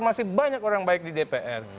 masih banyak orang baik di dpr